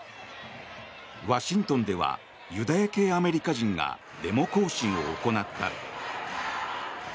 ワシントンではユダヤ系アメリカ人がデモ行進を行った。